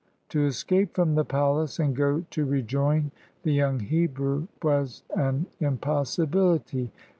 To escape from the palace and go to rejoin the young Hebrew was an impossibility.